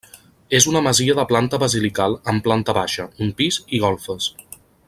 És una masia de planta basilical amb planta baixa, un pis i golfes.